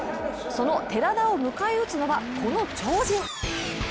その寺田を迎え撃つのは、この超人。